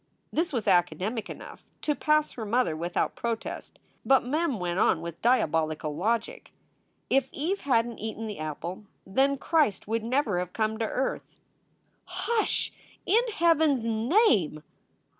This was academic enough to pass her mother without protest. But Mem went on with diabolical logic, "If Eve hadn t eaten the apple, then Christ would never have come to earth." SOULS FOR SALE 349 "Hush, in Heaven s name!"